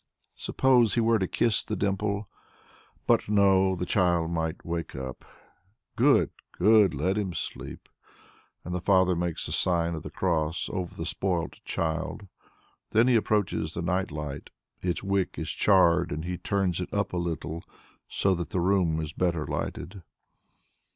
Suppose he were to kiss the dimple? But no the child might wake up. Good! Good! Let him sleep. And the father makes the sign of the cross over the spoilt child. Then he approaches the night lamp. Its wick is charred and he turns it up a little, so that the room is better lighted.